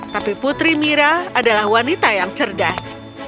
tapi putri mira adalah wanita yang cerdas